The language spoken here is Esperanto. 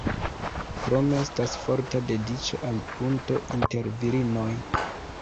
Krome estas forta dediĉo al punto inter virinoj.